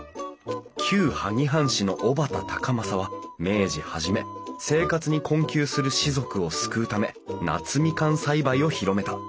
旧萩藩士の小幡高政は明治初め生活に困窮する士族を救うため夏みかん栽培を広めた。